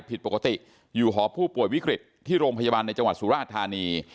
ผิดปกติอยู่หอผู้ป่วยวิกฤตที่โรงพยาบาลในจังหวัดสุราชธานี